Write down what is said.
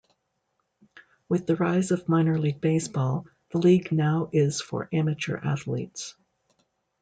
With the rise of Minor League Baseball, the league now is for amateur athletes.